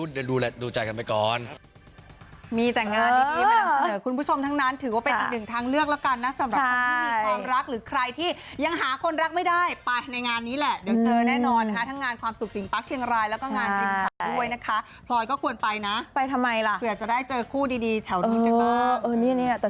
ตอนนี้ก็เลยรู้แหละดูใจกันไปก่อน